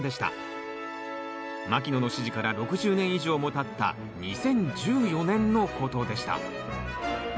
牧野の指示から６０年以上もたった２０１４年のことでした。